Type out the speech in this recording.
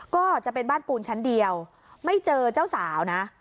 ก็จะเป็นบ้านปูนชั้นเดียวไม่เจอเจ้าสาวนะ